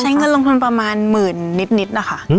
ใช้เงินลงทุนประมาณหมื่นนิดค่ะ